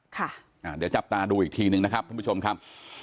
เดี๋ยวจับตาดูอีกทีหนึ่งนะครับท่านผู้ชมครับ